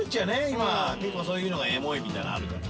今結構そういうのがエモいみたいなのあるから。